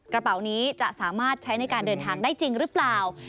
กระเป๋านี้จะสามารถใช้ในการเดินทางได้จริงหรือเปล่า